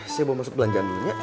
saya mau masuk belanjaan dulu